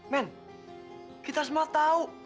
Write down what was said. men kita semua tau